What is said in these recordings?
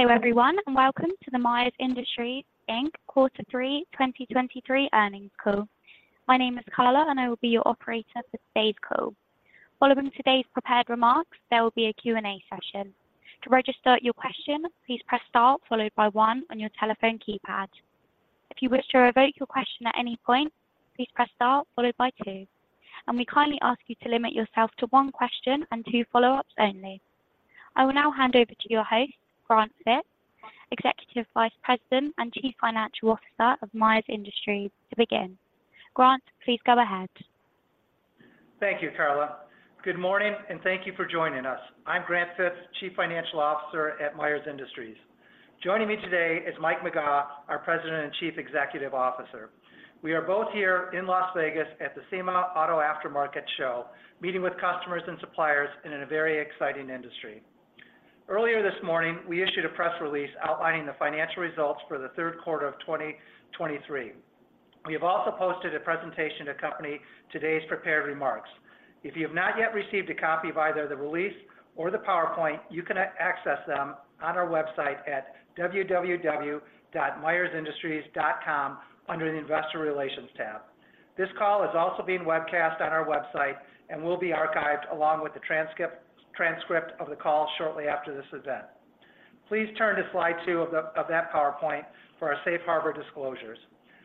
Hello, everyone, and welcome to the Myers Industries Inc quarter 3 2023 earnings call. My name is Carla, and I will be your operator for today's call. Following today's prepared remarks, there will be a Q&A session. To register your question, please press star followed by one on your telephone keypad. If you wish to revoke your question at any point, please press star followed by two. And we kindly ask you to limit yourself to one question and two follow-ups only. I will now hand over to your host, Grant Fitz, Executive Vice President and Chief Financial Officer of Myers Industries, to begin. Grant, please go ahead. Thank you, Carla. Good morning, and thank you for joining us. I'm Grant Fitz, Chief Financial Officer at Myers Industries. Joining me today is Mike McGaugh, our President and Chief Executive Officer. We are both here in Las Vegas at the SEMA Auto Aftermarket Show, meeting with customers and suppliers in a very exciting industry. Earlier this morning, we issued a press release outlining the financial results for the third quarter of 2023. We have also posted a presentation to accompany today's prepared remarks. If you have not yet received a copy of either the release or the PowerPoint, you can access them on our website at www.myersindustries.com, under the Investor Relations tab. This call is also being webcast on our website and will be archived along with the transcript of the call shortly after this event. Please turn to slide 2 of that PowerPoint for our safe harbor disclosures.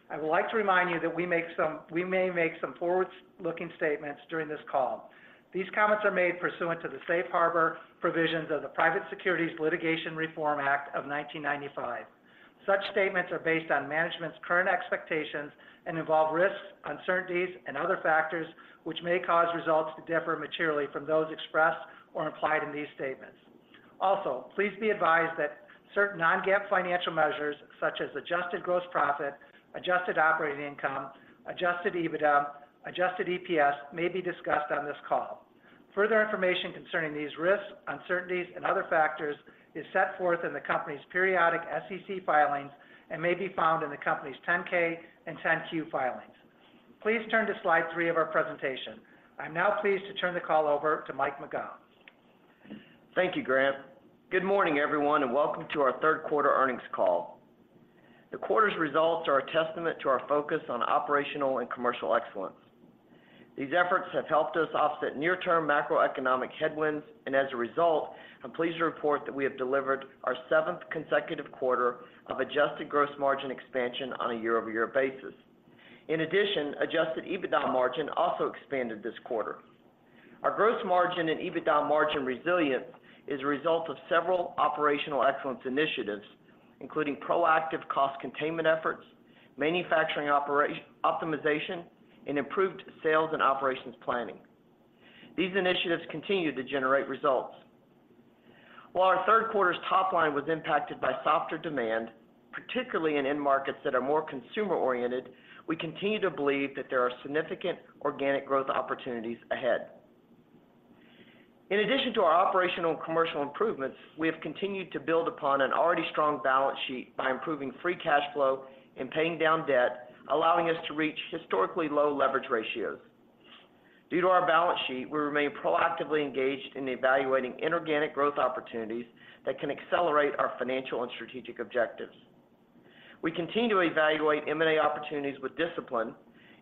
I would like to remind you that we may make some forward-looking statements during this call. These comments are made pursuant to the safe harbor provisions of the Private Securities Litigation Reform Act of 1995. Such statements are based on management's current expectations and involve risks, uncertainties, and other factors, which may cause results to differ materially from those expressed or implied in these statements. Also, please be advised that certain non-GAAP financial measures, such as adjusted gross profit, adjusted operating income, adjusted EBITDA, adjusted EPS, may be discussed on this call. Further information concerning these risks, uncertainties, and other factors is set forth in the company's periodic SEC filings and may be found in the company's 10-K and 10-Q filings. Please turn to slide 3 of our presentation. I'm now pleased to turn the call over to Mike McGaugh. Thank you, Grant. Good morning, everyone, and welcome to our third quarter earnings call. The quarter's results are a testament to our focus on operational and commercial excellence. These efforts have helped us offset near-term macroeconomic headwinds, and as a result, I'm pleased to report that we have delivered our seventh consecutive quarter of adjusted gross margin expansion on a year-over-year basis. In addition, Adjusted EBITDA margin also expanded this quarter. Our gross margin and EBITDA margin resilience is a result of several operational excellence initiatives, including proactive cost containment efforts, manufacturing optimization, and improved sales and operations planning. These initiatives continue to generate results. While our third quarter's top line was impacted by softer demand, particularly in end markets that are more consumer-oriented, we continue to believe that there are significant organic growth opportunities ahead. In addition to our operational commercial improvements, we have continued to build upon an already strong balance sheet by improving free cash flow and paying down debt, allowing us to reach historically low leverage ratios. Due to our balance sheet, we remain proactively engaged in evaluating inorganic growth opportunities that can accelerate our financial and strategic objectives. We continue to evaluate M&A opportunities with discipline,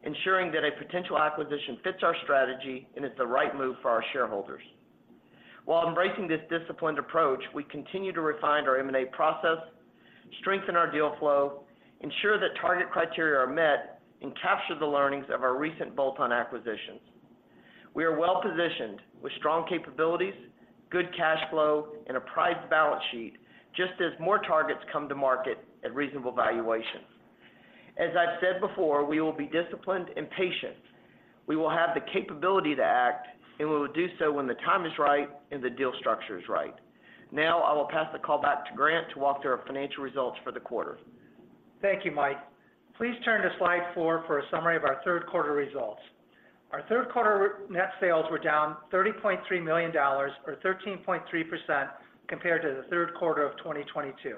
ensuring that a potential acquisition fits our strategy and is the right move for our shareholders. While embracing this disciplined approach, we continue to refine our M&A process, strengthen our deal flow, ensure that target criteria are met, and capture the learnings of our recent bolt-on acquisitions. We are well-positioned with strong capabilities, good cash flow, and a prized balance sheet, just as more targets come to market at reasonable valuations. As I've said before, we will be disciplined and patient. We will have the capability to act, and we will do so when the time is right and the deal structure is right. Now, I will pass the call back to Grant to walk through our financial results for the quarter. Thank you, Mike. Please turn to slide 4 for a summary of our third quarter results. Our third quarter net sales were down $30.3 million or 13.3% compared to the third quarter of 2022.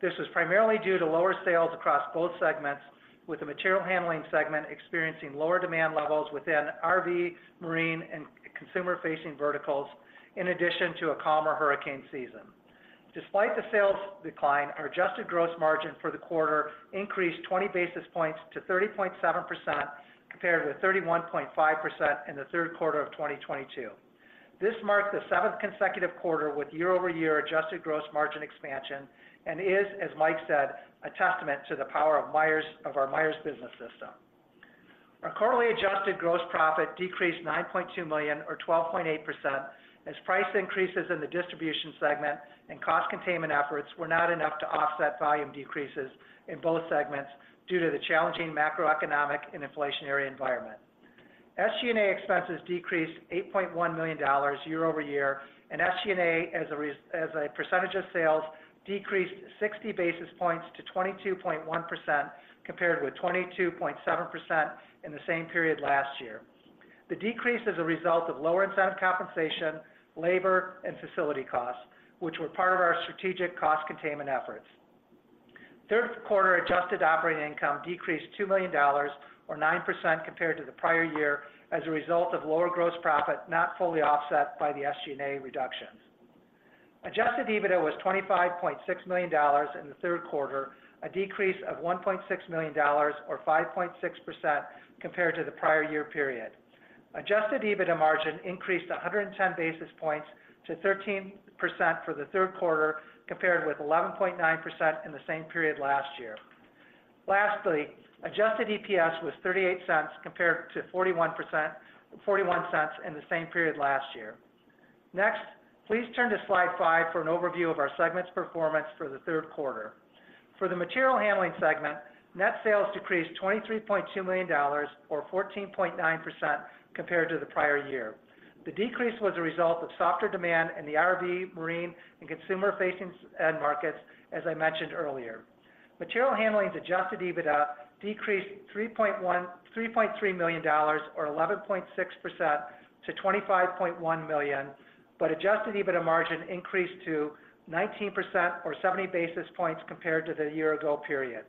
This was primarily due to lower sales across both segments, with the material handling segment experiencing lower demand levels within RV, marine, and consumer-facing verticals, in addition to a calmer hurricane season. Despite the sales decline, our adjusted gross margin for the quarter increased 20 basis points to 30.7%, compared with 31.5% in the third quarter of 2022. This marked the seventh consecutive quarter with year-over-year adjusted gross margin expansion and is, as Mike said, a testament to the power of Myers- of our Myers Business System. Our quarterly adjusted gross profit decreased $9.2 million or 12.8%, as price increases in the distribution segment and cost containment efforts were not enough to offset volume decreases in both segments due to the challenging macroeconomic and inflationary environment. SG&A expenses decreased $8.1 million year-over-year, and SG&A, as a percentage of sales, decreased 60 basis points to 22.1%, compared with 22.7% in the same period last year. The decrease is a result of lower incentive compensation, labor, and facility costs, which were part of our strategic cost containment efforts.... Third quarter adjusted operating income decreased $2 million or 9% compared to the prior year as a result of lower gross profit, not fully offset by the SG&A reductions. Adjusted EBITDA was $25.6 million in the third quarter, a decrease of $1.6 million or 5.6% compared to the prior year period. Adjusted EBITDA margin increased 110 basis points to 13% for the third quarter, compared with 11.9% in the same period last year. Lastly, adjusted EPS was $0.38, compared to $0.41 in the same period last year. Next, please turn to slide 5 for an overview of our segments performance for the third quarter. For the material handling segment, net sales decreased $23.2 million or 14.9% compared to the prior year. The decrease was a result of softer demand in the RV, marine, and consumer-facing end markets, as I mentioned earlier. Material Handling's adjusted EBITDA decreased $3.3 million or 11.6% to $25.1 million, but adjusted EBITDA margin increased to 19% or 70 basis points compared to the year ago period.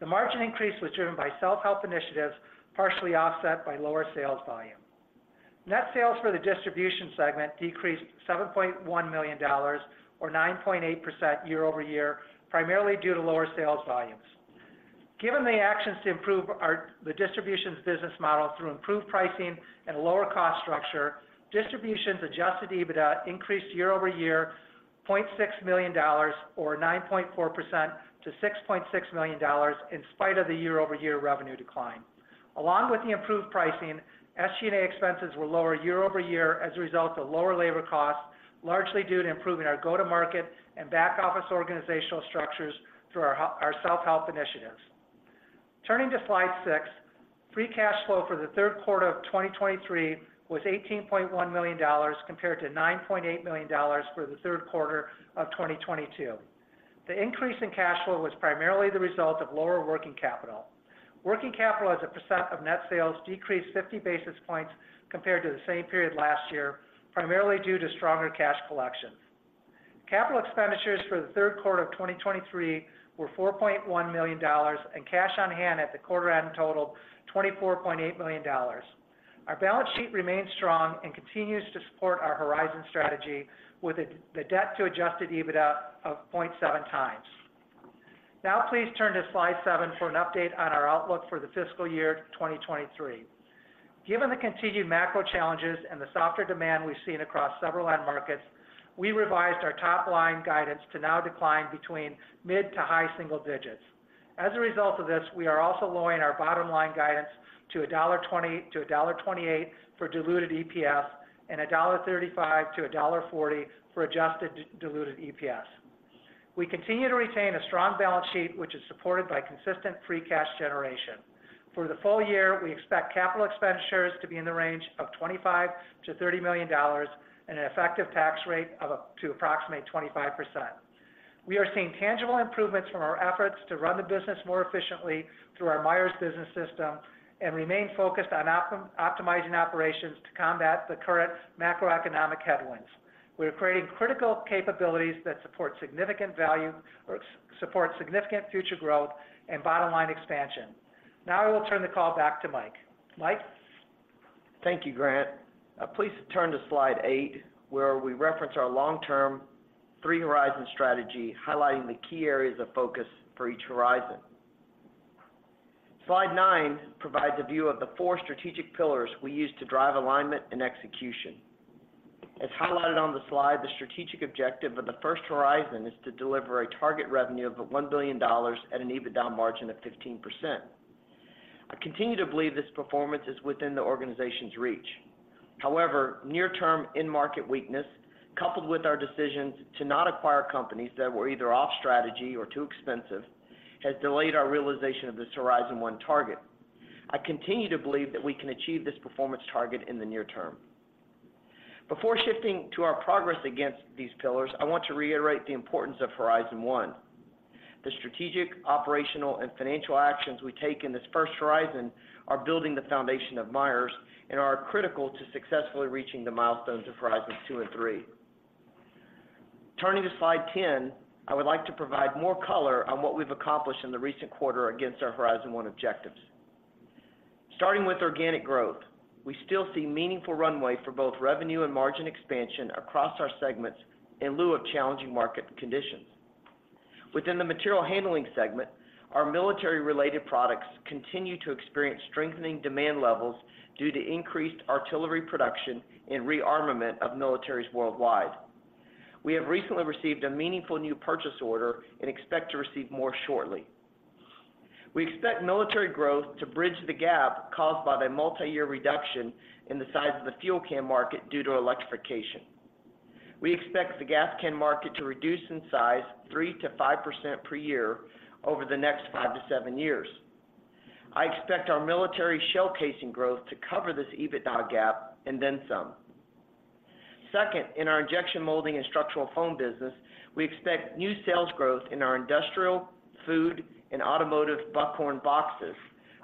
The margin increase was driven by self-help initiatives, partially offset by lower sales volume. Net sales for the distribution segment decreased $7.1 million or 9.8% year-over-year, primarily due to lower sales volumes. Given the actions to improve our distribution's business model through improved pricing and lower cost structure, distribution's adjusted EBITDA increased year-over-year $0.6 million or 9.4% to $6.6 million, in spite of the year-over-year revenue decline. Along with the improved pricing, SG&A expenses were lower year-over-year as a result of lower labor costs, largely due to improving our go-to-market and back-office organizational structures through our self-help initiatives. Turning to slide six, free cash flow for the third quarter of 2023 was $18.1 million, compared to $9.8 million for the third quarter of 2022. The increase in cash flow was primarily the result of lower working capital. Working capital as a % of net sales decreased 50 basis points compared to the same period last year, primarily due to stronger cash collections. Capital expenditures for the third quarter of 2023 were $4.1 million, and cash on hand at the quarter end totaled $24.8 million. Our balance sheet remains strong and continues to support our Horizon strategy, with the debt to Adjusted EBITDA of 0.7 times. Now, please turn to slide 7 for an update on our outlook for the fiscal year 2023. Given the continued macro challenges and the softer demand we've seen across several end markets, we revised our top-line guidance to now decline between mid- to high-single digits. As a result of this, we are also lowering our bottom-line guidance to $1.20-$1.28 for diluted EPS and $1.35-$1.40 for adjusted diluted EPS. We continue to retain a strong balance sheet, which is supported by consistent free cash generation. For the full year, we expect capital expenditures to be in the range of $25 million-$30 million and an effective tax rate of up to approximately 25%. We are seeing tangible improvements from our efforts to run the business more efficiently through our Myers Business System and remain focused on optimizing operations to combat the current macroeconomic headwinds. We are creating critical capabilities that support significant value or support significant future growth and bottom line expansion. Now, I will turn the call back to Mike. Mike? Thank you, Grant. Please turn to slide 8, where we reference our long-term Three-Horizon strategy, highlighting the key areas of focus for each Horizon. Slide 9 provides a view of the four strategic pillars we use to drive alignment and execution. As highlighted on the slide, the strategic objective of the first Horizon is to deliver a target revenue of $1 billion at an EBITDA margin of 15%. I continue to believe this performance is within the organization's reach. However, near-term end market weakness, coupled with our decisions to not acquire companies that were either off strategy or too expensive, has delayed our realization of this Horizon 1 target. I continue to believe that we can achieve this performance target in the near term. Before shifting to our progress against these pillars, I want to reiterate the importance of Horizon 1. The strategic, operational, and financial actions we take in this first Horizon are building the foundation of Myers and are critical to successfully reaching the milestones of Horizons Two and Three. Turning to slide 10, I would like to provide more color on what we've accomplished in the recent quarter against our Horizon One objectives. Starting with organic growth, we still see meaningful runway for both revenue and margin expansion across our segments in lieu of challenging market conditions. Within the material handling segment, our military-related products continue to experience strengthening demand levels due to increased artillery production and rearmament of militaries worldwide. We have recently received a meaningful new purchase order and expect to receive more shortly. We expect military growth to bridge the gap caused by the multi-year reduction in the size of the fuel can market due to electrification. We expect the gas can market to reduce in size 3%-5% per year over the next 5-7 years. I expect our military shell casing growth to cover this EBITDA gap, and then some. Second, in our injection molding and structural foam business, we expect new sales growth in our industrial, food, and automotive Buckhorn boxes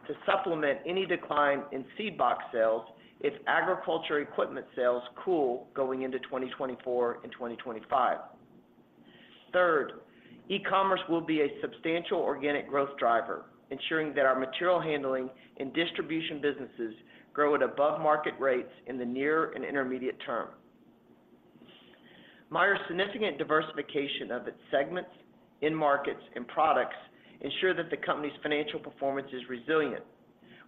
to supplement any decline in seed box sales if agriculture equipment sales cool going into 2024 and 2025. Third, e-commerce will be a substantial organic growth driver, ensuring that our material handling and distribution businesses grow at above market rates in the near and intermediate term. Myers' significant diversification of its segments, end markets, and products ensure that the company's financial performance is resilient.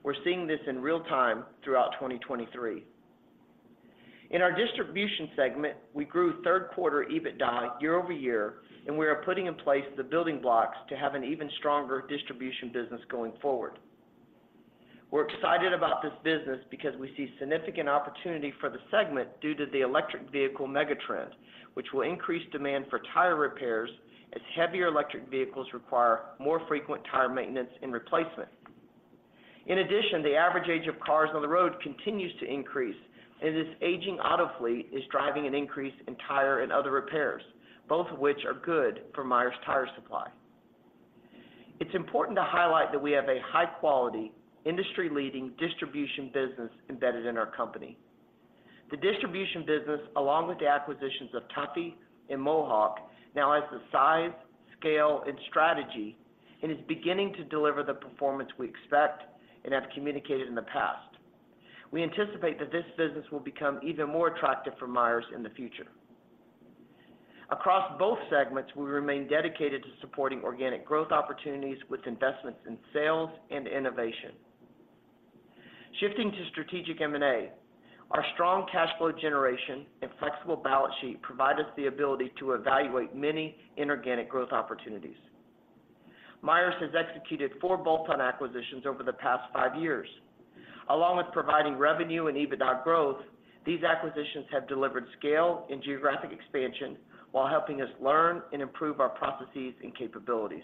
We're seeing this in real time throughout 2023. In our distribution segment, we grew third quarter EBITDA year-over-year, and we are putting in place the building blocks to have an even stronger distribution business going forward. We're excited about this business because we see significant opportunity for the segment due to the electric vehicle mega trend, which will increase demand for tire repairs as heavier electric vehicles require more frequent tire maintenance and replacement. In addition, the average age of cars on the road continues to increase, and this aging auto fleet is driving an increase in tire and other repairs, both of which are good for Myers Tire Supply. It's important to highlight that we have a high-quality, industry-leading distribution business embedded in our company. The distribution business, along with the acquisitions of Tuffy and Mohawk, now has the size, scale, and strategy, and is beginning to deliver the performance we expect and have communicated in the past. We anticipate that this business will become even more attractive for Myers in the future. Across both segments, we remain dedicated to supporting organic growth opportunities with investments in sales and innovation. Shifting to strategic M&A, our strong cash flow generation and flexible balance sheet provide us the ability to evaluate many inorganic growth opportunities. Myers has executed 4 bolt-on acquisitions over the past 5 years. Along with providing revenue and EBITDA growth, these acquisitions have delivered scale and geographic expansion while helping us learn and improve our processes and capabilities.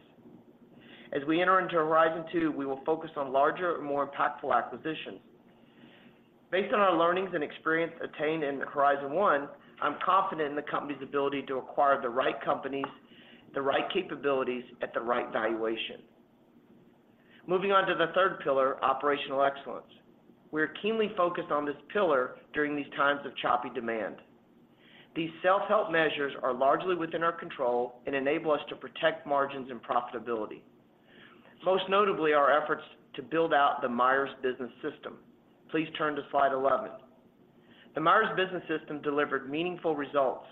As we enter into Horizon Two, we will focus on larger and more impactful acquisitions. Based on our learnings and experience attained in Horizon One, I'm confident in the company's ability to acquire the right companies, the right capabilities at the right valuation. Moving on to the third pillar, operational excellence. We are keenly focused on this pillar during these times of choppy demand. These self-help measures are largely within our control and enable us to protect margins and profitability, most notably, our efforts to build out the Myers Business System. Please turn to slide 11. The Myers Business System delivered meaningful results,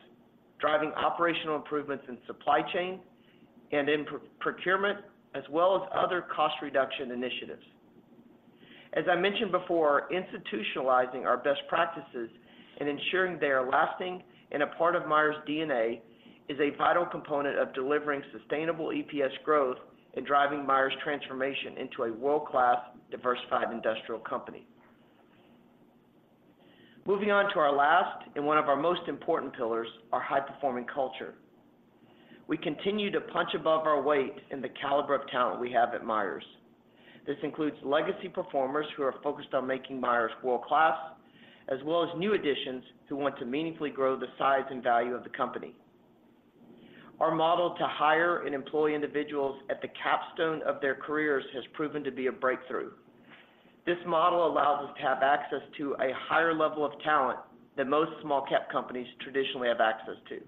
driving operational improvements in supply chain and in procurement, as well as other cost reduction initiatives. As I mentioned before, institutionalizing our best practices and ensuring they are lasting and a part of Myers' DNA, is a vital component of delivering sustainable EPS growth and driving Myers' transformation into a world-class, diversified industrial company. Moving on to our last and one of our most important pillars, our high-performing culture. We continue to punch above our weight in the caliber of talent we have at Myers. This includes legacy performers who are focused on making Myers world-class, as well as new additions who want to meaningfully grow the size and value of the company. Our model to hire and employ individuals at the capstone of their careers has proven to be a breakthrough. This model allows us to have access to a higher level of talent than most small cap companies traditionally have access to.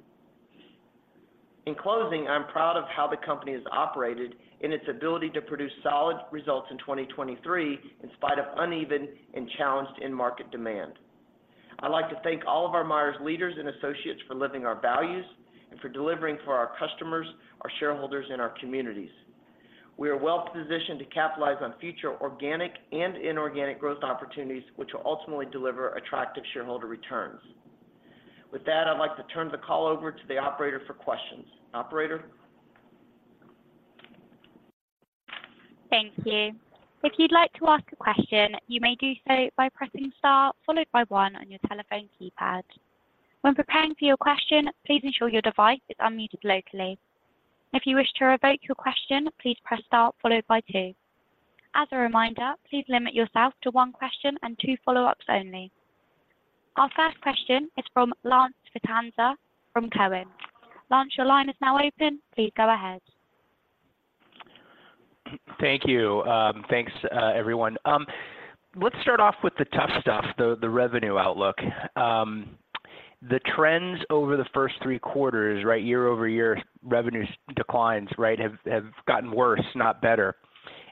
In closing, I'm proud of how the company has operated and its ability to produce solid results in 2023, in spite of uneven and challenged end market demand. I'd like to thank all of our Myers leaders and associates for living our values and for delivering for our customers, our shareholders, and our communities. We are well positioned to capitalize on future organic and inorganic growth opportunities, which will ultimately deliver attractive shareholder returns. With that, I'd like to turn the call over to the operator for questions. Operator? Thank you. If you'd like to ask a question, you may do so by pressing star, followed by one on your telephone keypad. When preparing for your question, please ensure your device is unmuted locally. If you wish to revoke your question, please press star followed by two. As a reminder, please limit yourself to one question and two follow-ups only. Our first question is from Lance Vitanza from Cowen. Lance, your line is now open. Please go ahead. Thank you. Thanks, everyone. Let's start off with the tough stuff, the revenue outlook. The trends over the first three quarters, right, year-over-year revenues declines, right, have gotten worse, not better.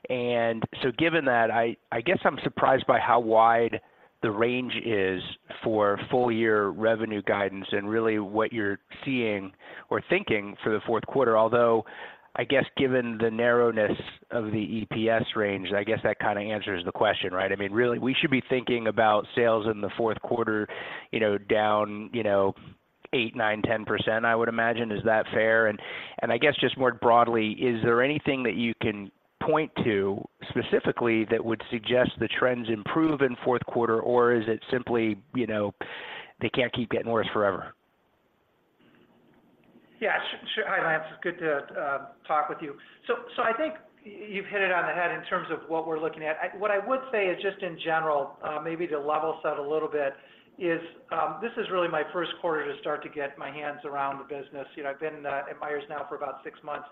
So given that, I guess I'm surprised by how wide the range is for full year revenue guidance and really what you're seeing or thinking for the fourth quarter. Although, I guess, given the narrowness of the EPS range, I guess that kind of answers the question, right? I mean, really, we should be thinking about sales in the fourth quarter, you know, down, you know, 8, 9, 10%, I would imagine. Is that fair? I guess just more broadly, is there anything that you can point to specifically that would suggest the trends improve in fourth quarter? Or is it simply, you know, they can't keep getting worse forever? Yeah, sure, sure. Hi, Lance. It's good to talk with you. So, I think you've hit it on the head in terms of what we're looking at. What I would say is just in general, maybe to level set a little bit, this is really my first quarter to start to get my hands around the business. You know, I've been at Myers now for about six months.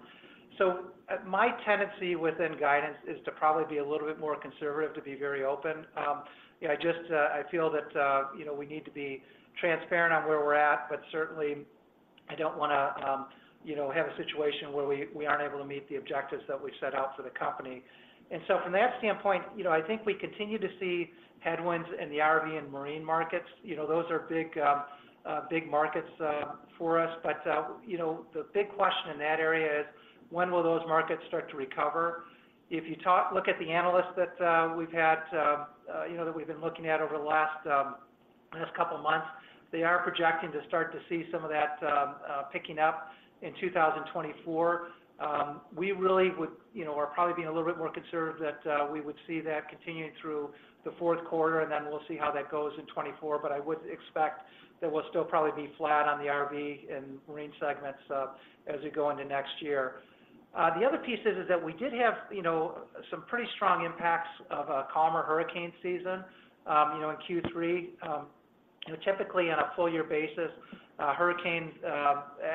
So my tendency within guidance is to probably be a little bit more conservative, to be very open. Yeah, I just feel that, you know, we need to be transparent on where we're at, but certainly I don't want to have a situation where we aren't able to meet the objectives that we've set out for the company. From that standpoint, you know, I think we continue to see headwinds in the RV and marine markets. You know, those are big markets for us. But, you know, the big question in that area is: When will those markets start to recover? If you look at the analysts that we've had, you know, that we've been looking at over the last couple of months, they are projecting to start to see some of that picking up in 2024. We really, you know, are probably being a little bit more conservative than we would see that continuing through the fourth quarter, and then we'll see how that goes in 2024. But I would expect that we'll still probably be flat on the RV and marine segments, as we go into next year. The other piece is that we did have, you know, some pretty strong impacts of a calmer hurricane season, you know, in Q3. You know, typically on a full year basis, hurricanes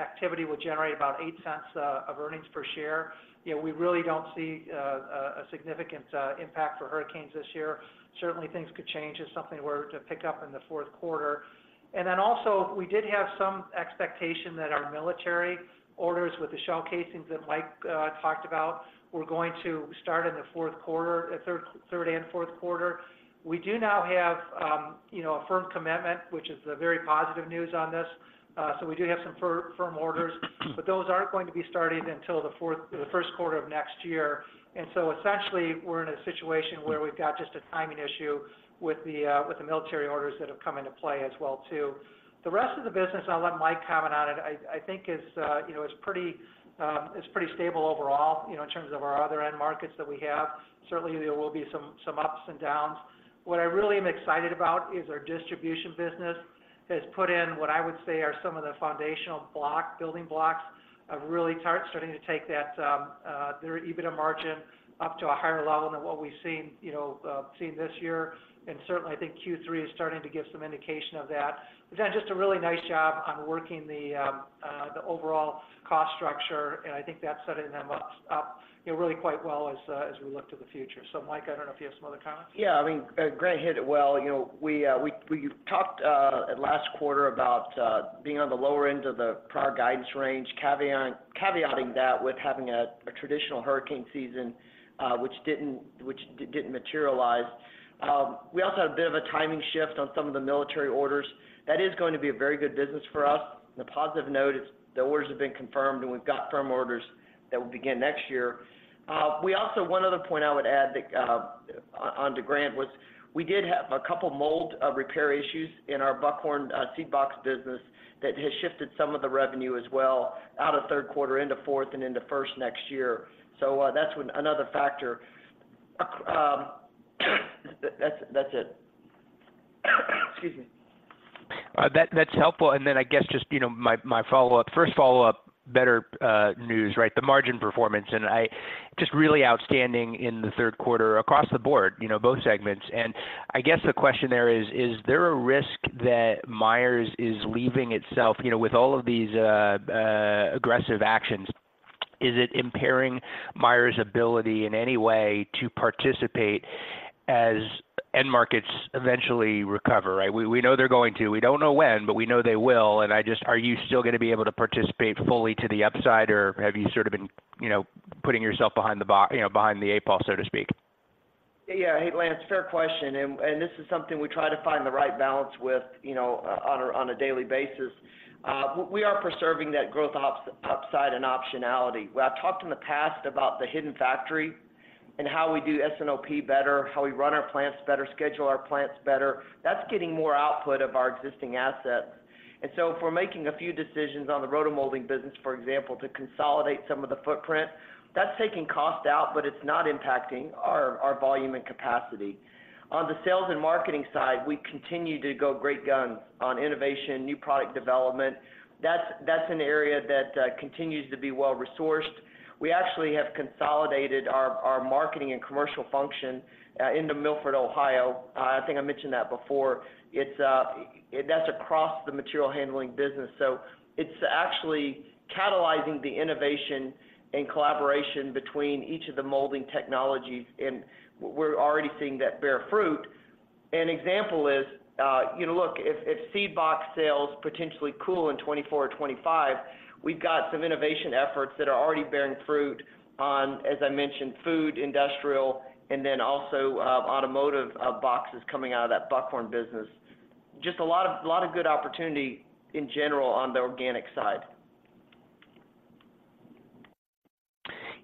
activity would generate about $0.08 of earnings per share. You know, we really don't see a significant impact for hurricanes this year. Certainly, things could change if something were to pick up in the fourth quarter. And then also, we did have some expectation that our military orders with the shell casings that Mike talked about, were going to start in the third and fourth quarter. We do now have, you know, a firm commitment, which is a very positive news on this. So we do have some firm, firm orders, but those aren't going to be starting until the fourth, the first quarter of next year. And so essentially, we're in a situation where we've got just a timing issue with the military orders that have come into play as well, too. The rest of the business, I'll let Mike comment on it. I think is, you know, pretty stable overall, you know, in terms of our other end markets that we have. Certainly, there will be some, some ups and downs. What I really am excited about is our distribution business has put in what I would say are some of the foundational building blocks of really starting to take that, their EBITDA margin up to a higher level than what we've seen this year. And certainly, I think Q3 is starting to give some indication of that. We've done just a really nice job on working the overall cost structure, and I think that's setting them up, you know, really quite well as we look to the future. So Mike, I don't know if you have some other comments? Yeah, I mean, Grant hit it well. You know, we talked at last quarter about being on the lower end of the prior guidance range, caveating that with having a traditional hurricane season, which didn't materialize. We also have a bit of a timing shift on some of the military orders. That is going to be a very good business for us. The positive note is the orders have been confirmed, and we've got firm orders that will begin next year. We also one other point I would add that, on to Grant, was we did have a couple mold repair issues in our Buckhorn Seed Box business that has shifted some of the revenue as well out of third quarter into fourth and into first next year. So, that's when another factor. That's it. Excuse me. That’s helpful. And then I guess just, you know, my follow-up, first follow-up, better news, right? The margin performance, and I just really outstanding in the third quarter across the board, you know, both segments. And I guess the question there is: Is there a risk that Myers is leaving itself, you know, with all of these aggressive actions, is it impairing Myers’ ability in any way to participate as end markets eventually recover, right? We know they’re going to. We don’t know when, but we know they will. And I just—are you still gonna be able to participate fully to the upside, or have you sort of been, you know, putting yourself behind the ball, you know, behind the eight ball, so to speak? Yeah. Hey, Lance, fair question, and this is something we try to find the right balance with, you know, on a daily basis. We are preserving that growth upside and optionality. Well, I've talked in the past about the hidden factory and how we do S&OP better, how we run our plants better, schedule our plants better. That's getting more output of our existing assets. And so if we're making a few decisions on the rotomolding business, for example, to consolidate some of the footprint, that's taking cost out, but it's not impacting our volume and capacity. On the sales and marketing side, we continue to go great guns on innovation, new product development. That's an area that continues to be well-resourced. We actually have consolidated our marketing and commercial function into Milford, Ohio. I think I mentioned that before. It's that's across the material handling business. So it's actually catalyzing the innovation and collaboration between each of the molding technologies, and we're already seeing that bear fruit. An example is, you know, look, if Seed Box sales potentially cool in 2024 or 2025, we've got some innovation efforts that are already bearing fruit on, as I mentioned, food, industrial, and then also, automotive, boxes coming out of that Buckhorn business. Just a lot of, lot of good opportunity in general on the organic side.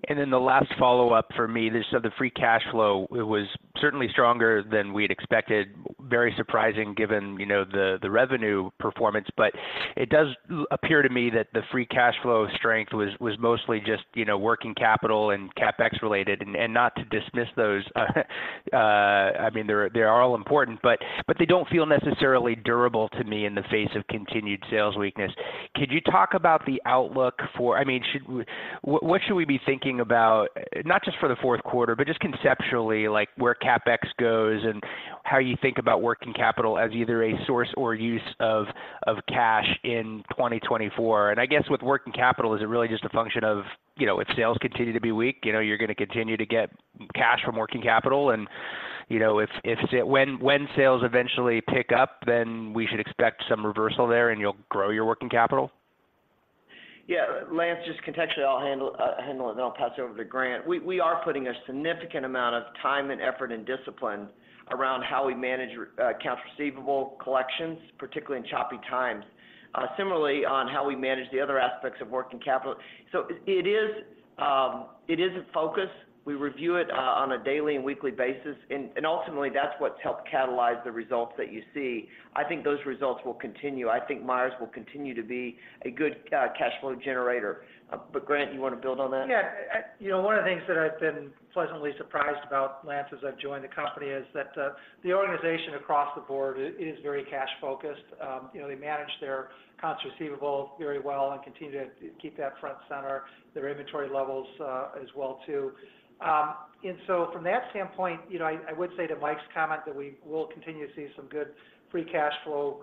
And then the last follow-up for me is, so the free cash flow, it was certainly stronger than we'd expected. Very surprising, given you know the revenue performance. But it does appear to me that the free cash flow strength was mostly just, you know, working capital and CapEx related. And not to dismiss those, I mean, they're all important, but they don't feel necessarily durable to me in the face of continued sales weakness. Could you talk about the outlook for, I mean, should we, what should we be thinking about, not just for the fourth quarter, but just conceptually, like, where CapEx goes and how you think about working capital as either a source or use of cash in 2024? I guess with working capital, is it really just a function of, you know, if sales continue to be weak, you know, you're gonna continue to get cash from working capital, and, you know, if when sales eventually pick up, then we should expect some reversal there and you'll grow your working capital? Yeah, Lance, just contextually, I'll handle it, and then I'll pass it over to Grant. We are putting a significant amount of time and effort and discipline around how we manage accounts receivable collections, particularly in choppy times. Similarly, on how we manage the other aspects of working capital. So it is a focus. We review it on a daily and weekly basis, and ultimately, that's what's helped catalyze the results that you see. I think those results will continue. I think Myers will continue to be a good cash flow generator. But Grant, you want to build on that? Yeah, you know, one of the things that I've been pleasantly surprised about, Lance, as I've joined the company, is that, the organization across the board is very cash focused. You know, they manage their accounts receivable very well and continue to keep that front and center, their inventory levels, as well, too. And so from that standpoint, you know, I, I would say to Mike's comment that we will continue to see some good free cash flow,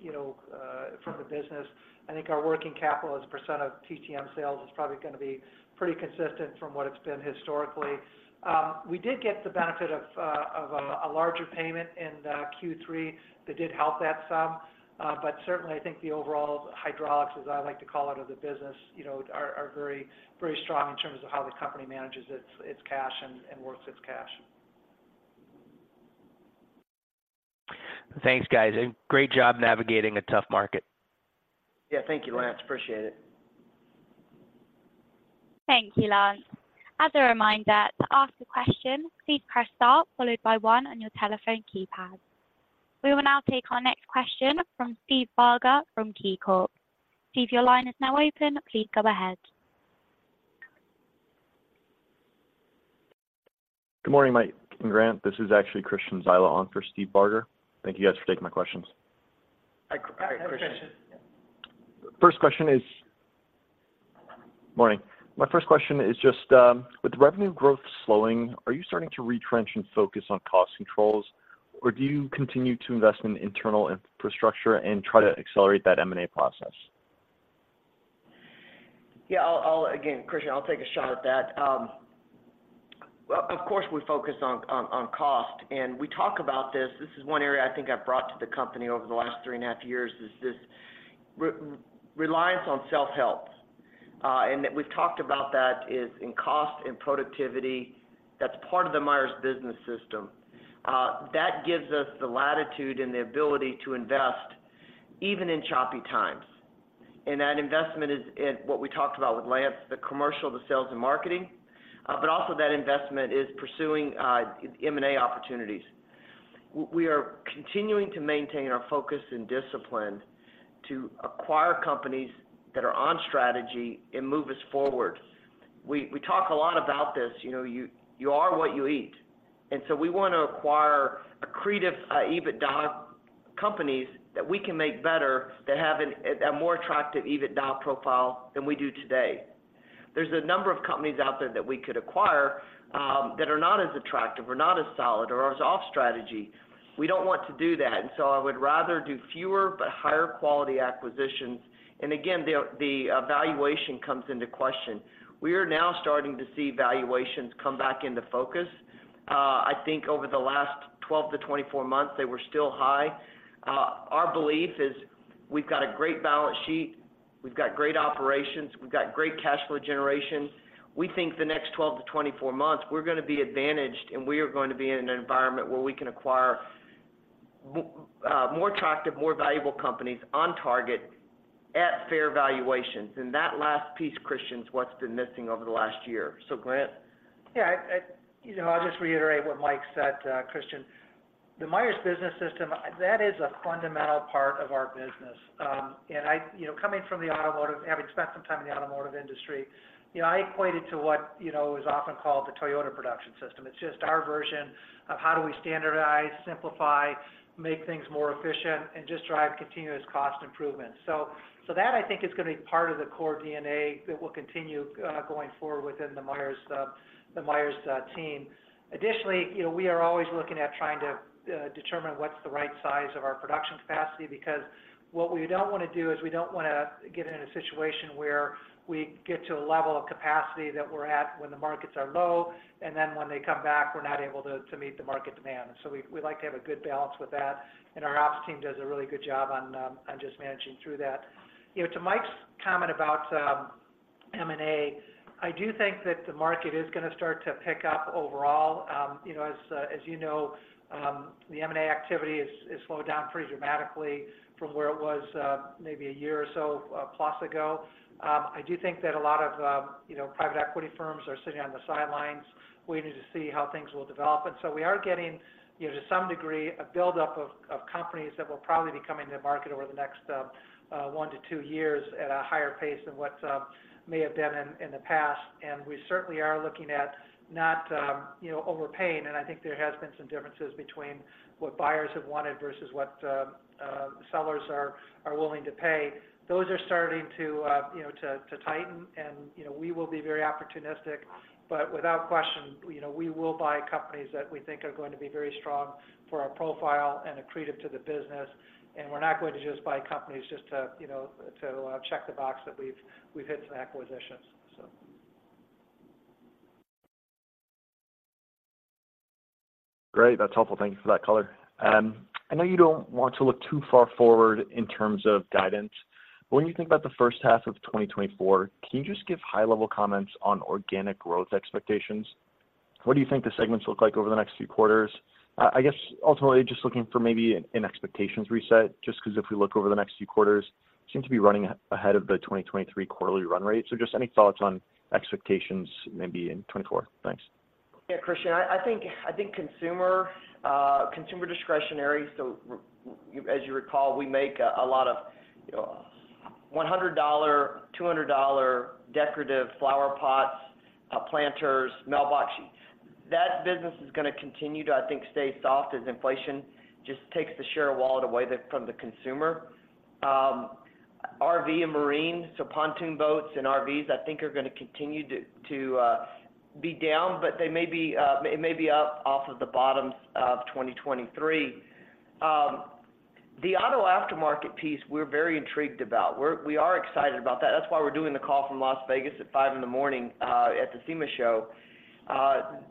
you know, from the business. I think our working capital as a percent of TTM sales is probably gonna be pretty consistent from what it's been historically. We did get the benefit of a larger payment in, Q3 that did help that some. But certainly, I think the overall hydraulics, as I like to call it, of the business, you know, are very, very strong in terms of how the company manages its cash and works its cash. Thanks, guys. Great job navigating a tough market. Yeah, thank you, Lance. Appreciate it. Thank you, Lance. As a reminder, to ask a question, please press star followed by one on your telephone keypad. We will now take our next question from Steve Barger from KeyCorp. Steve, your line is now open. Please go ahead. Good morning, Mike and Grant. This is actually Christian Zyla on for Steve Barger. Thank you guys for taking my questions. Hi, Christian. Hi, Christian. First question is... Morning. My first question is just, with revenue growth slowing, are you starting to retrench and focus on cost controls, or do you continue to invest in internal infrastructure and try to accelerate that M&A process? Yeah, I'll. Again, Christian, I'll take a shot at that. Well, of course, we focus on cost, and we talk about this. This is one area I think I've brought to the company over the last three and a half years, is this reliance on self-help. And that we've talked about that is in cost and productivity. That's part of the Myers Business System. That gives us the latitude and the ability to invest even in choppy times. And that investment is what we talked about with Lance, the commercial, the sales and marketing, but also that investment is pursuing M&A opportunities. We are continuing to maintain our focus and discipline to acquire companies that are on strategy and move us forward. We talk a lot about this, you know, you are what you eat. And so we want to acquire accretive, EBITDA companies that we can make better, that have a more attractive EBITDA profile than we do today. There's a number of companies out there that we could acquire, that are not as attractive or not as solid or as off strategy. We don't want to do that. And so I would rather do fewer but higher quality acquisitions. And again, the valuation comes into question. We are now starting to see valuations come back into focus. I think over the last 12-24 months, they were still high. Our belief is we've got a great balance sheet, we've got great operations, we've got great cash flow generation. We think the next 12-24 months, we're gonna be advantaged, and we are going to be in an environment where we can acquire more attractive, more valuable companies on target at fair valuations. And that last piece, Christian, is what's been missing over the last year. So Grant? Yeah, I you know, I'll just reiterate what Mike said, Christian. The Myers Business System, that is a fundamental part of our business. And I you know, coming from the automotive, having spent some time in the automotive industry, you know, I equate it to what you know is often called the Toyota Production System. It's just our version of how do we standardize, simplify, make things more efficient, and just drive continuous cost improvement. So that, I think, is gonna be part of the core DNA that will continue going forward within the Myers team. Additionally, you know, we are always looking at trying to, determine what's the right size of our production capacity, because what we don't wanna do is we don't wanna get in a situation where we get to a level of capacity that we're at when the markets are low, and then when they come back, we're not able to, to meet the market demand. And so we like to have a good balance with that, and our ops team does a really good job on, on just managing through that. You know, to Mike's comment about, M&A, I do think that the market is gonna start to pick up overall. You know, as you know, the M&A activity has slowed down pretty dramatically from where it was, maybe a year or so, plus ago. I do think that a lot of, you know, private equity firms are sitting on the sidelines waiting to see how things will develop. And so we are getting, you know, to some degree, a buildup of companies that will probably be coming to the market over the next 1-2 years at a higher pace than what may have been in the past. And we certainly are looking at not, you know, overpaying, and I think there has been some differences between what buyers have wanted versus what sellers are willing to pay. Those are starting to, you know, to tighten, and, you know, we will be very opportunistic. But without question, you know, we will buy companies that we think are going to be very strong for our profile and accretive to the business, and we're not going to just buy companies just to, you know, to check the box that we've hit some acquisitions. So. Great, that's helpful. Thank you for that color. I know you don't want to look too far forward in terms of guidance, but when you think about the first half of 2024, can you just give high-level comments on organic growth expectations? What do you think the segments look like over the next few quarters? I guess, ultimately, just looking for maybe an expectations reset, just 'cause if we look over the next few quarters, seem to be running ahead of the 2023 quarterly run rate. So just any thoughts on expectations maybe in 2024? Thanks. Yeah, Christian, I think consumer discretionary, so as you recall, we make a lot of, you know, $100, $200 decorative flower pots, planters, mailbox. That business is gonna continue to, I think, stay soft as inflation just takes the share wallet away from the consumer. RV and marine, so pontoon boats and RVs, I think are gonna continue to be down, but they may be up off of the bottoms of 2023. The auto aftermarket piece, we're very intrigued about. We're excited about that. That's why we're doing the call from Las Vegas at 5:00 A.M. at the SEMA Show.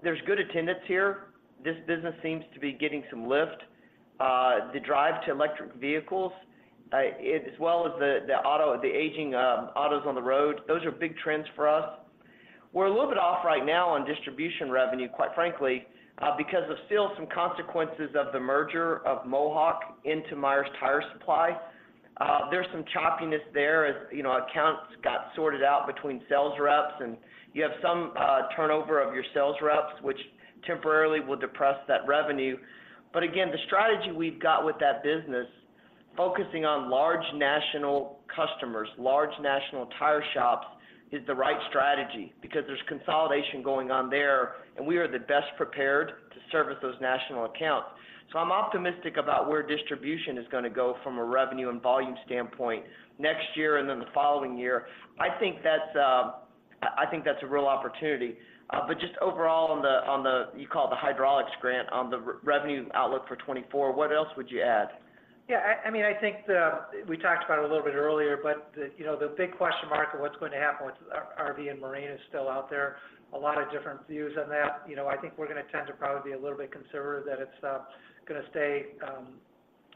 There's good attendance here. This business seems to be getting some lift. The drive to electric vehicles, it—as well as the aging autos on the road, those are big trends for us. We're a little bit off right now on distribution revenue, quite frankly, because of still some consequences of the merger of Mohawk into Myers Tire Supply. There's some choppiness there as you know, accounts got sorted out between sales reps, and you have some turnover of your sales reps, which temporarily will depress that revenue. But again, the strategy we've got with that business, focusing on large national customers, large national tire shops, is the right strategy because there's consolidation going on there, and we are the best prepared to service those national accounts. So I'm optimistic about where distribution is gonna go from a revenue and volume standpoint next year and then the following year. I think that's, I think that's a real opportunity. But just overall on the you call it the hydraulics, Grant, on the revenue outlook for 2024, what else would you add? Yeah, I mean, I think we talked about it a little bit earlier, but you know, the big question mark of what's going to happen with RV and marine is still out there. A lot of different views on that. You know, I think we're gonna tend to probably be a little bit conservative, that it's gonna stay,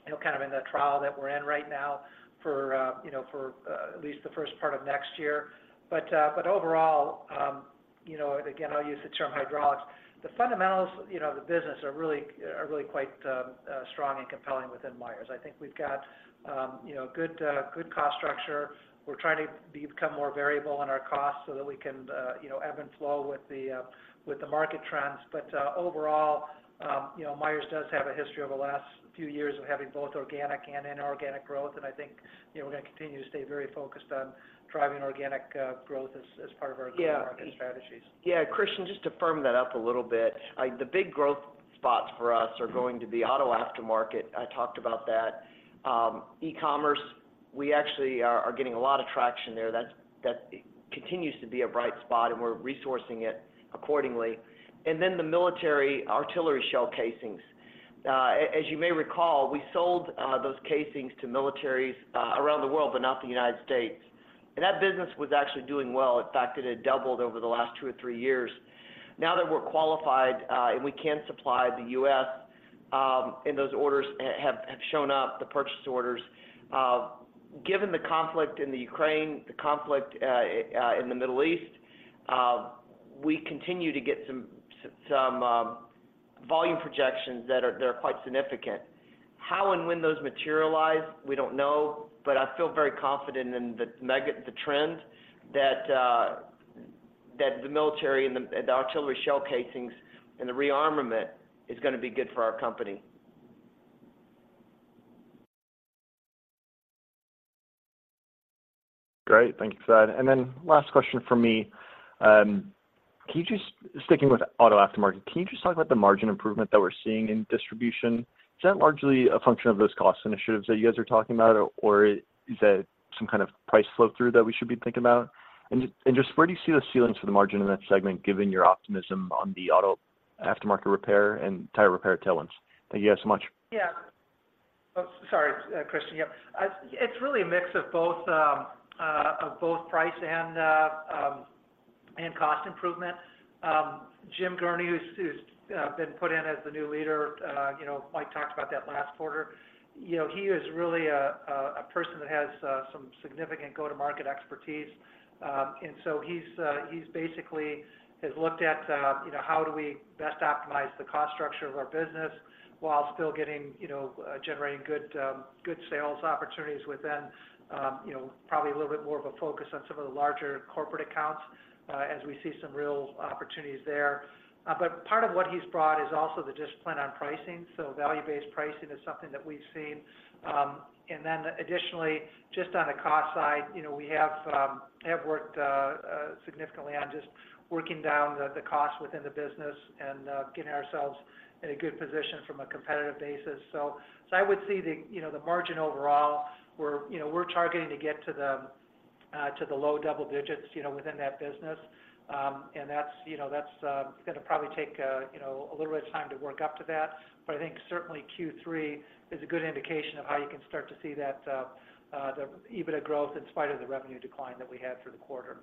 you know, kind of in the trial that we're in right now for, you know, for at least the first part of next year. But but overall, you know, again, I'll use the term hydraulics. The fundamentals, you know, of the business are really quite strong and compelling within Myers. I think we've got, you know, good good cost structure. We're trying to become more variable in our costs so that we can, you know, ebb and flow with the, with the market trends. But, overall, you know, Myers does have a history over the last few years of having both organic and inorganic growth, and I think, you know, we're gonna continue to stay very focused on driving organic growth as part of our- Yeah -growth market strategies. Yeah, Christian, just to firm that up a little bit, the big growth spots for us are going to be auto aftermarket. I talked about that. E-commerce, we actually are, are getting a lot of traction there. That's, that continues to be a bright spot, and we're resourcing it accordingly. And then the military artillery shell casings. As you may recall, we sold those casings to militaries around the world, but not the United States, and that business was actually doing well. In fact, it had doubled over the last two or three years. Now that we're qualified, and we can supply the U.S., and those orders have shown up, the purchase orders, given the conflict in the Ukraine, the conflict in the Middle East, we continue to get some volume projections that are quite significant. How and when those materialize, we don't know, but I feel very confident in the megatrend that the military and the artillery shell casings and the rearmament is gonna be good for our company. Great, thank you for that. And then last question from me. Can you just—sticking with auto aftermarket, can you just talk about the margin improvement that we're seeing in distribution? Is that largely a function of those cost initiatives that you guys are talking about, or, or is that some kind of price flow-through that we should be thinking about? And, and just where do you see the ceilings for the margin in that segment, given your optimism on the auto aftermarket repair and tire repair tailwinds? Thank you guys so much. Yeah. Sorry, Christian, yeah. It's really a mix of both price and cost improvement. Jim Gurney, who's been put in as the new leader, you know, Mike talked about that last quarter. You know, he is really a person that has some significant go-to-market expertise. And so he's basically has looked at, you know, how do we best optimize the cost structure of our business while still getting, you know, generating good sales opportunities within, you know, probably a little bit more of a focus on some of the larger corporate accounts, as we see some real opportunities there. But part of what he's brought is also the discipline on pricing. So value-based pricing is something that we've seen. And then additionally, just on the cost side, you know, we have worked significantly on just working down the cost within the business and getting ourselves in a good position from a competitive basis. So I would see the, you know, the margin overall, we're, you know, we're targeting to get to the low double digits, you know, within that business. And that's, you know, that's gonna probably take, you know, a little bit of time to work up to that. But I think certainly Q3 is a good indication of how you can start to see that the EBITDA growth, in spite of the revenue decline that we had through the quarter.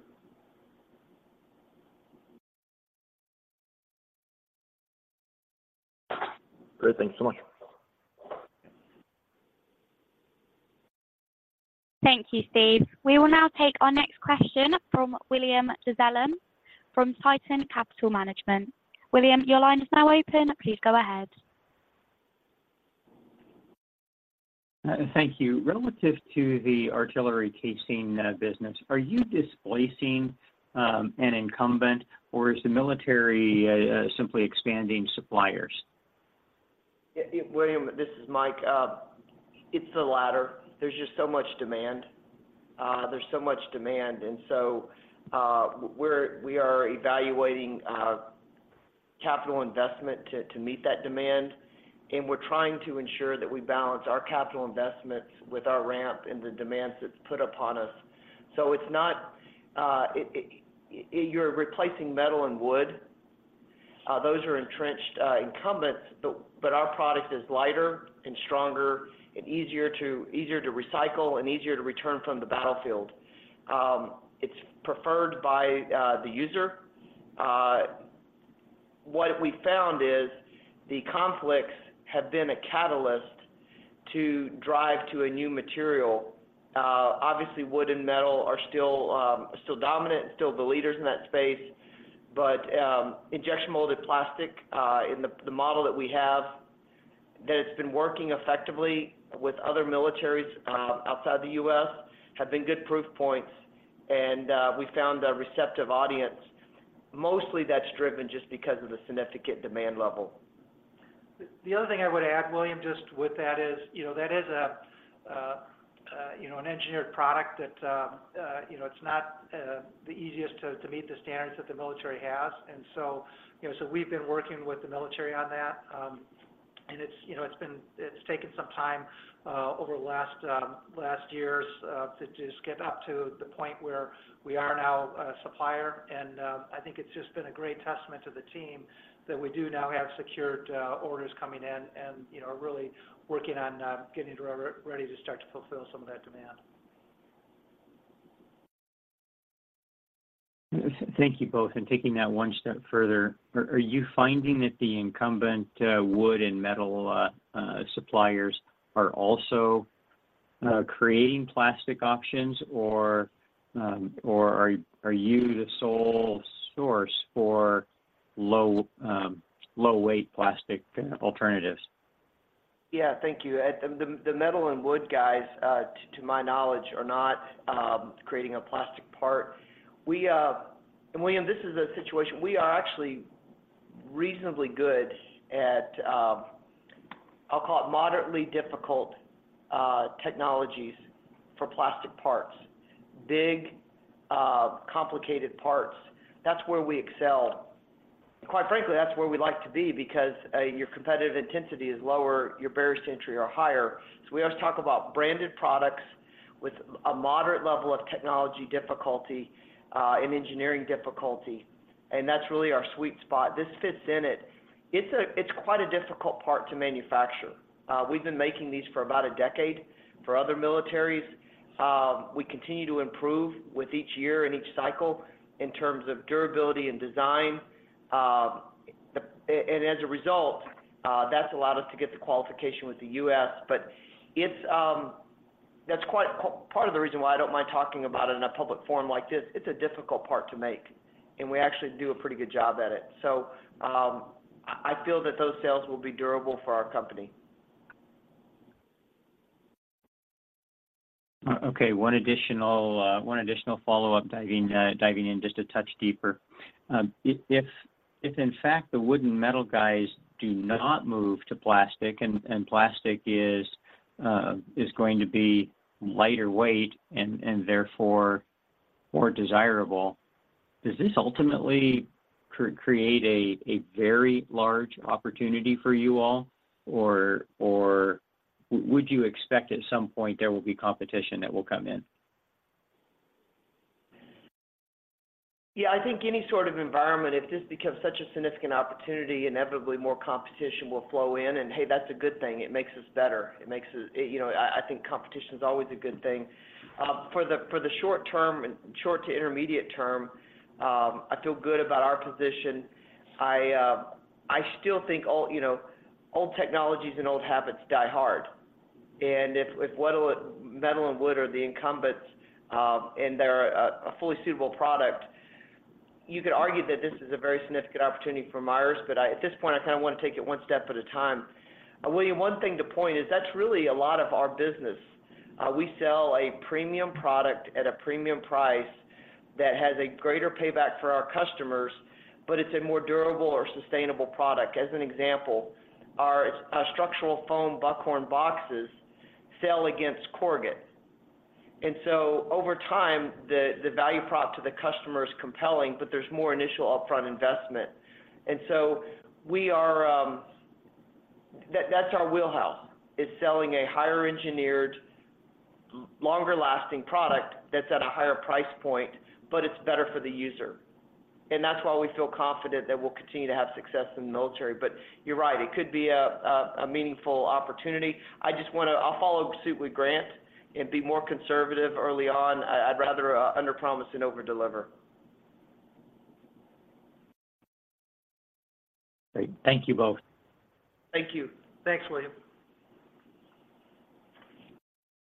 Great. Thanks so much. Thank you, Steve. We will now take our next question from William Dezellem, from Tieton Capital Management. William, your line is now open. Please go ahead. Thank you. Relative to the artillery casing business, are you displacing an incumbent, or is the military simply expanding suppliers? Yeah, William, this is Mike. It's the latter. There's just so much demand. There's so much demand, and so, we are evaluating capital investment to meet that demand, and we're trying to ensure that we balance our capital investments with our ramp and the demands that's put upon us. So it's not you're replacing metal and wood. Those are entrenched incumbents, but our product is lighter and stronger and easier to recycle and easier to return from the battlefield. It's preferred by the user. What we found is, the conflicts have been a catalyst to drive to a new material. Obviously, wood and metal are still still dominant, still the leaders in that space. Injection molded plastic in the model that we have that it's been working effectively with other militaries outside the U.S. have been good proof points, and we found a receptive audience. Mostly, that's driven just because of the significant demand level. The other thing I would add, William, just with that is, you know, that is a you know, an engineered product that, you know, it's not the easiest to meet the standards that the military has. And so, you know, so we've been working with the military on that, and it's, you know, it's been. It's taken some time, over the last years, to just get up to the point where we are now a supplier. And I think it's just been a great testament to the team that we do now have secured orders coming in and, you know, are really working on getting ready to start to fulfill some of that demand. Thank you, both. Taking that one step further, are you finding that the incumbent wood and metal suppliers are also creating plastic options, or are you the sole source for low-weight plastic alternatives? Yeah, thank you. The metal and wood guys, to my knowledge, are not creating a plastic part. And William, this is a situation, we are actually reasonably good at. I'll call it moderately difficult technologies for plastic parts. Big, complicated parts, that's where we excel. And quite frankly, that's where we like to be because your competitive intensity is lower, your barriers to entry are higher. So we always talk about branded products with a moderate level of technology difficulty and engineering difficulty, and that's really our sweet spot. This fits in it. It's quite a difficult part to manufacture. We've been making these for about a decade for other militaries. We continue to improve with each year and each cycle in terms of durability and design. And as a result, that's allowed us to get the qualification with the U.S. But it's—that's quite part of the reason why I don't mind talking about it in a public forum like this. It's a difficult part to make, and we actually do a pretty good job at it. So, I feel that those sales will be durable for our company. Okay, one additional, one additional follow-up, diving, diving in just a touch deeper. If in fact the wood and metal guys do not move to plastic, and, and plastic is, is going to be lighter weight and, and therefore, more desirable, does this ultimately create a, a very large opportunity for you all, or, or would you expect at some point there will be competition that will come in? Yeah, I think any sort of environment, if this becomes such a significant opportunity, inevitably more competition will flow in, and hey, that's a good thing. It makes us better. It makes us—you know, I think competition is always a good thing. For the short term, and short to intermediate term, I feel good about our position. I still think old, you know, old technologies and old habits die hard. And if metal and wood are the incumbents, and they're a fully suitable product, you could argue that this is a very significant opportunity for Myers, but at this point, I kind of want to take it one step at a time. William, one thing to point is, that's really a lot of our business. We sell a premium product at a premium price that has a greater payback for our customers, but it's a more durable or sustainable product. As an example, our Structural Foam Buckhorn boxes sell against corrugate. And so over time, the value prop to the customer is compelling, but there's more initial upfront investment. And so we are. That's our wheelhouse, is selling a higher engineered, longer lasting product that's at a higher price point, but it's better for the user. And that's why we feel confident that we'll continue to have success in the military. But you're right, it could be a meaningful opportunity. I just wanna—I'll follow suit with Grant and be more conservative early on. I'd rather underpromise and overdeliver. Great. Thank you both. Thank you. Thanks, William.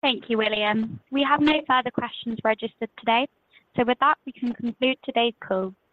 Thank you, William. We have no further questions registered today. So with that, we can conclude today's call.